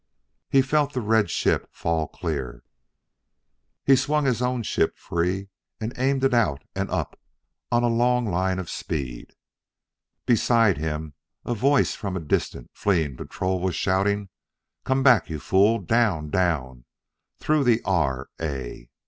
He felt the red ship fall clear. He swung his own ship free and aimed it out and up on a long line of speed. Beside him a voice from a distant, fleeing patrol was shouting; "Come back, you fool! Down! Down, through the R. A.!"